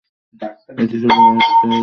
এটি ছিল অস্থায়ী সংযোজন।